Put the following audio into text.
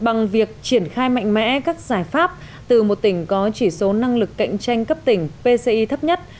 bằng việc triển khai mạnh mẽ các giải pháp từ một tỉnh có chỉ số năng lực cạnh tranh cấp tỉnh pci thấp nhất